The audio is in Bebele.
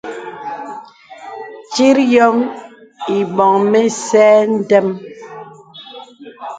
Tit yɔ̄m îbɔ̀ŋ mə̄sɛ̄ ndɛm.